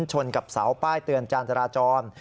ชนกับเสาป้ายเตือนจานจราจร